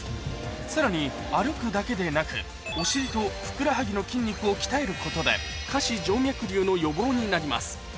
さらに歩くだけでなくお尻とふくらはぎの筋肉を鍛えることで下肢静脈瘤の予防になります